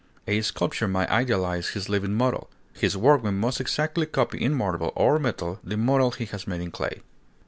A sculptor may idealize his living model; his workmen must exactly copy in marble or metal the model he has made in clay.